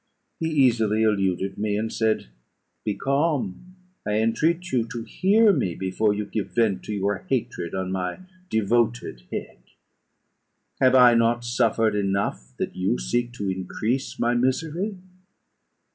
He easily eluded me, and said "Be calm! I entreat you to hear me, before you give vent to your hatred on my devoted head. Have I not suffered enough, that you seek to increase my misery?